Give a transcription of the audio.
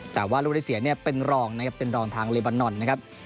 แต่ว่าลูกที่เสียเนี่ยเป็นรองนะครับเป็นรองทางเลบานอนนะครับ